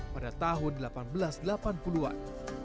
pada tahun seribu delapan ratus delapan puluh an